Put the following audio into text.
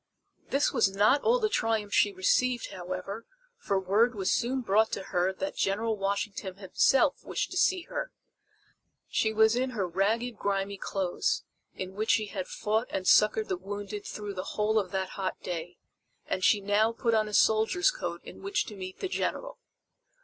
This was not all the triumph she received, however, for word was soon brought to her that General Washington himself wished to see her. She was in her ragged grimy clothes in which she had fought and succored the wounded through the whole of that hot day, and she now put on a soldier's coat in which to meet the General.